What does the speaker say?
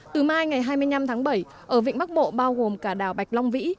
từ mai ngày hai mươi năm tháng bảy ở vịnh bắc bộ bao gồm cả đảo bạch long vĩ